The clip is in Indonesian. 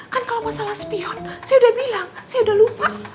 kan kalau masalah spion saya udah bilang saya udah lupa